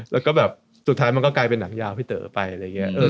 แล้วก็แบบสุดท้ายมันก็กลายเป็นหนังยาวพี่เต๋อไปอะไรอย่างนี้